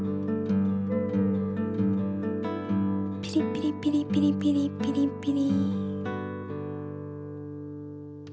ピリピリピリピリピリピリピリ。